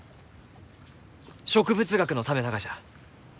植物学のためながじゃ！